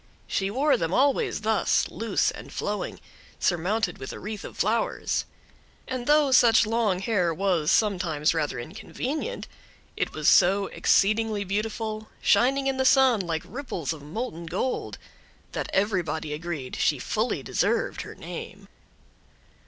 She wore them always thus, loose and flowing, surmounted with a wreath of flowers; and though such long hair was sometimes rather inconvenient, it was so exceedingly beautiful, shining in the sun like ripples of molten gold, that everybody agreed she fully deserved her name.